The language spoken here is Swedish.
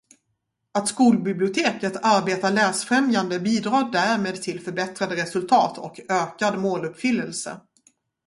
Att skolbiblioteket arbetar läsfrämjande bidrar därmed till förbättrade resultat och ökad måluppfyllelse.